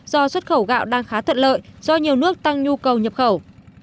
do xuất khẩu gạo đang khá thuận lợi do nhiều nước tăng nhu cầu nhập khẩu